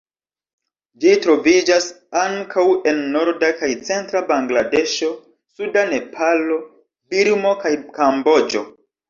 Ĝi troviĝas ankaŭ en norda kaj centra Bangladeŝo, suda Nepalo, Birmo kaj Kamboĝo.